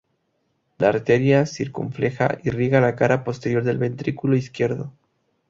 La arteria circunfleja irriga la cara posterior del ventrículo izquierdo.